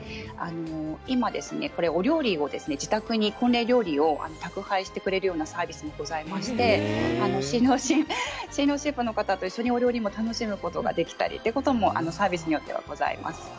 今、お料理を自宅に婚礼料理を宅配してくれるようなサービスもございまして新郎新婦の方と一緒のお料理も楽しむことができたりということもサービスによってはございます。